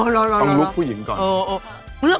ตรงลุคผู้หญิงก่อน